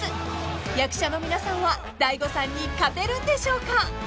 ［役者の皆さんは大悟さんに勝てるんでしょうか？］